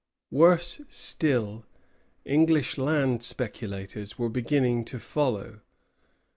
Worse still, English land speculators were beginning to follow.